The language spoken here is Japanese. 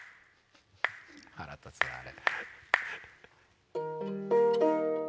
腹立つなあれ。